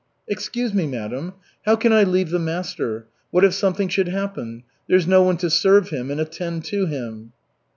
"Excuse me, madam, how can I leave the master? What if something should happen? There's no one to serve him and attend to him."